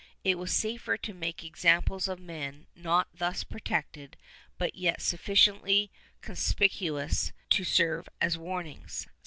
It was safer to make examples of men not thus protected but yet sufficiently conspic uous to serve as warnings.